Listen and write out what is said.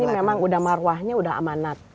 jadi ini memang udah marwahnya udah amanat